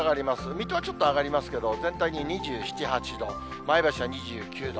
水戸はちょっと上がりますけど、全体に２７、８度、前橋は２９度。